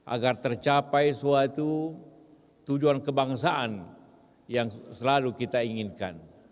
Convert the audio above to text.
agar tercapai suatu tujuan kebangsaan yang selalu kita inginkan